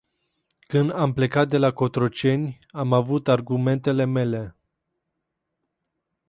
Când am plecat de la Cotroceni, am avut argumentele mele.